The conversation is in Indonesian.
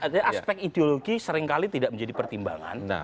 jadi aspek ideologi seringkali tidak menjadi pertimbangan